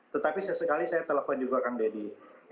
tetapi sesekali saya telepon juga kang deddy